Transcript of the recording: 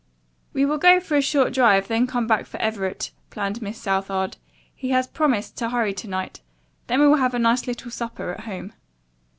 "We will go for a short drive, then come back for Everett," planned Miss Southard. "He has promised to hurry to night then we will have a nice little supper at home."